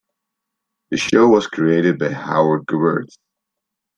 The show was created by Howard Gewirtz.